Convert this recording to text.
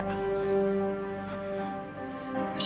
kekasih sama opi ya